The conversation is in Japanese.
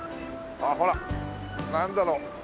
ああほらなんだろう？